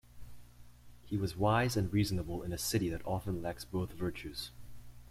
He was wise and reasonable in a city that often lacks both virtues.